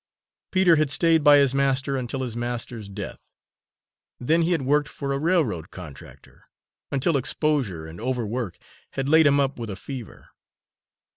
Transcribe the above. Peter had stayed by his master until his master's death. Then he had worked for a railroad contractor, until exposure and overwork had laid him up with a fever.